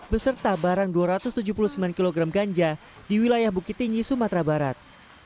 beserta barang dua ratus tujuh puluh sembilan kg ganja di wilayah bukit tinggi sumatera barat